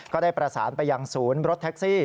ก็ได้ประสานไปยังศูนย์รถแท็กซี่